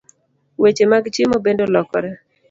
Weche mag chiemo bende olokore.